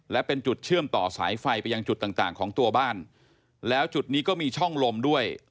และเป็นจุดเชื่อมต่อสายไฟไปยังจุดต่างต่างของตัวบ้านแล้วจุดนี้ก็มีช่องลมด้วย